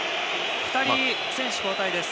２人、選手交代です。